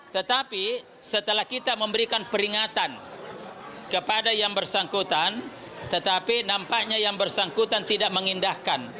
tetapi setelah kita memberikan peringatan kepada yang bersangkutan tetapi nampaknya yang bersangkutan tidak mengindahkan